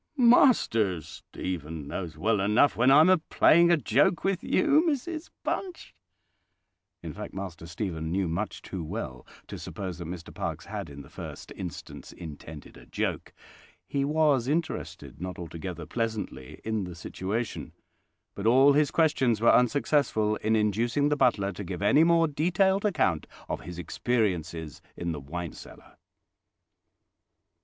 "Master Stephen knows well enough when I'm a playing a joke with you, Mrs Bunch." In fact, Master Stephen knew much too well to suppose that Mr Parkes had in the first instance intended a joke. He was interested, not altogether pleasantly, in the situation; but all his questions were unsuccessful in inducing the butler to give any more detailed account of his experiences in the wine cellar.